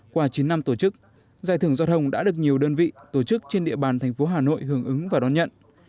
qua chín năm tổ chức giải thưởng giọt hồng đã được nhiều đơn vị tổ chức trên địa bàn thành phố hà nội hưởng ứng và đón nhận